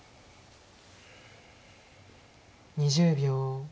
２０秒。